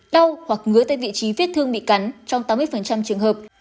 đau hoặc ngứa tại vị trí viết thương bị cắn trong tám mươi trường hợp